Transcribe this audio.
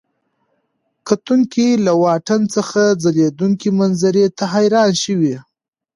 کتونکي له واټن څخه ځلېدونکي منظرې ته حیران شوي.